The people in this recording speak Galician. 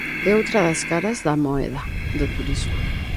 É outra das caras da moeda do turismo.